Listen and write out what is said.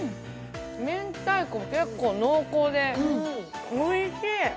明太子、結構濃厚で、おいしい。